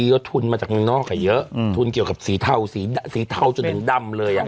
ก็ทุนมาจากเมืองนอกเยอะทุนเกี่ยวกับสีเทาสีเทาจนถึงดำเลยอ่ะ